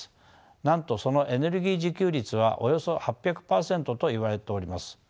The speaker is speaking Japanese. なんとそのエネルギー自給率はおよそ８００％といわれております。